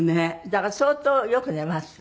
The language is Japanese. だから相当よく寝ます。